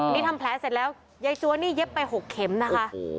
นี่ทำแผลเสร็จแล้วยายจัวนี่เย็บไป๖เข็มนะคะ